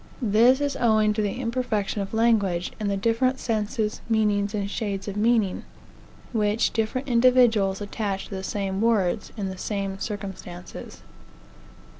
This is owing to the imperfection of language, and the different senses, meanings, and shades of meaning, which different individuals attach to the same words, in the same circumstances.